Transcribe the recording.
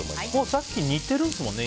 さっき煮てるんですもんね。